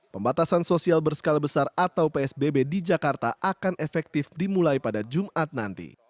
pembatasan sosial berskala besar atau psbb di jakarta akan efektif dimulai pada jumat nanti